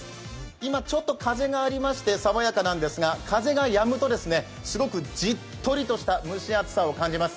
今、ちょっと風がありましてさわやかなんですが風がやむとすごくじっとりとした蒸し暑さを感じます。